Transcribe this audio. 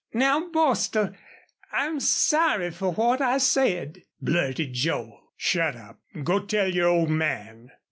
"Now, Bostil, I'm sorry fer what I said," blurted Joel. "Shut up. Go tell your old man."